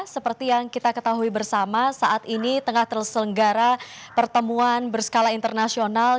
seperti yang kita ketahui bersama saat ini tengah terselenggara pertemuan berskala internasional